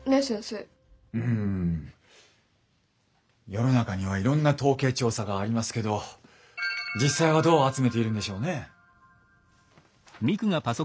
世の中にはいろんな統計調査がありますけど実際はどう集めているんでしょうね？